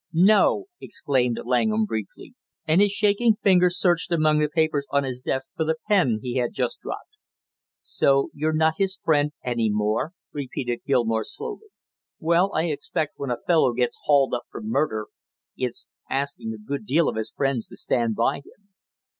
"No!" exclaimed Langham briefly, and his shaking fingers searched among the papers on his desk for the pen he had just dropped. "So you're not his friend any more?" repeated Gilmore slowly. "Well, I expect when a fellow gets hauled up for murder it's asking a good deal of his friends to stand by him!